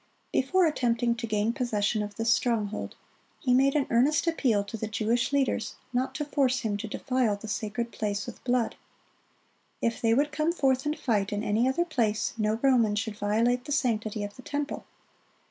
Before attempting to gain possession of this stronghold, he made an earnest appeal to the Jewish leaders not to force him to defile the sacred place with blood. If they would come forth and fight in any other place, no Roman should violate the sanctity of the temple.